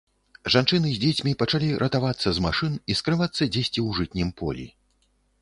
Жанчыны з дзецьмі пачалі ратавацца з машын і скрывацца дзесьці ў жытнім полі.